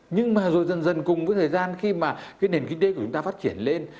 nhưng mà rồi dần dần cùng với thời gian khi mà cái nền kinh tế của chúng ta phát triển lên